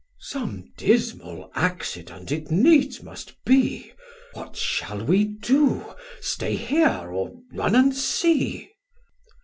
Man: Some dismal accident it needs must be; What shall we do, stay here or run and see?